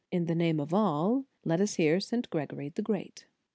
In the name of all, let us hear St. Gregory the Great.